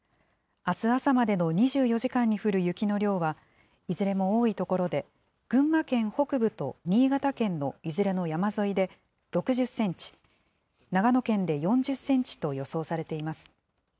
あす朝までの２４時間に降る雪の量は、いずれも多い所で、群馬県北部と新潟県のいずれも山沿いで６０センチ、長野県で４０センチと予想されています。